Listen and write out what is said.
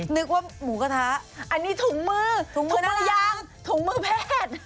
นึกว่าหมูกระทะอันนี้ถุงมือถุงมือภรรยาถุงมือแพทย์